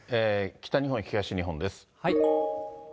北日本、東日本です。